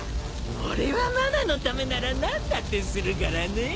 俺はママのためなら何だってするからね。